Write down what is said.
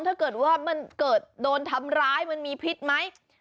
ถ้าเกิดว่ามันเกิดโดนทำร้ายมันมีพิษไหม